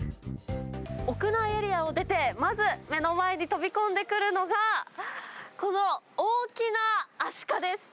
屋内エリアを出てまず目の前に飛び込んでくるのが、この大きなアシカです。